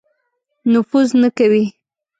نفوذ نه کوي.